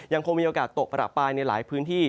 ยังคงมีโอกาสตกประปายในหลายพื้นที่